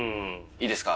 いいですか？